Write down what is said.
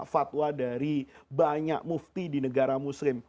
fatwa dari banyak mufti di negara muslim